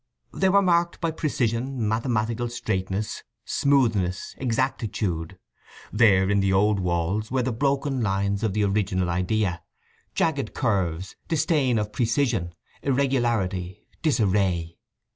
They were marked by precision, mathematical straightness, smoothness, exactitude: there in the old walls were the broken lines of the original idea; jagged curves, disdain of precision, irregularity, disarray.